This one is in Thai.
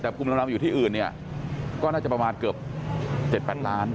แต่ภูมิลำอยู่ที่อื่นเนี่ยก็น่าจะประมาณเกือบ๗๘ล้าน